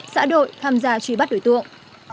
xã đội tham gia truy bắt đối tượng